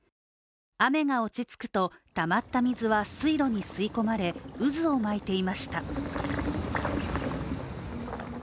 雨が落ち着くと、たまった水は水路に吸い込まれ渦を巻いていました。